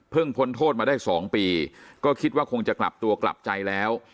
พ้นโทษมาได้๒ปีก็คิดว่าคงจะกลับตัวกลับใจแล้ว